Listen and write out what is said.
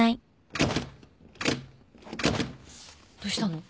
どうしたの？